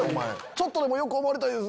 ちょっとでもよく思われたい。